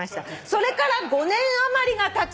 「それから５年余りがたち」